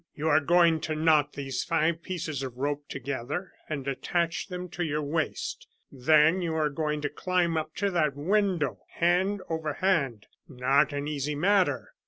"You are going to knot these five pieces of rope together and attach them to your waist; then you are going to climb up to that window, hand over hand. Not an easy matter!